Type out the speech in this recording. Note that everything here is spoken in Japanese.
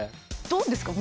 どうですか？